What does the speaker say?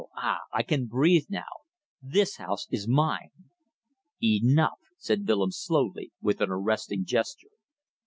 Ah! I can breathe now! This house is mine." "Enough!" said Willems, slowly, with an arresting gesture.